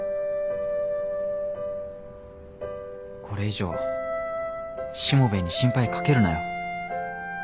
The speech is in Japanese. これ以上しもべえに心配かけるなよ。